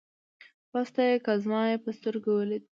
بس ته يې که زما په سترګو وليدې